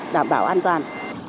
đảm bảo an toàn